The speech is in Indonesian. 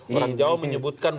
orang jawa menyebutkan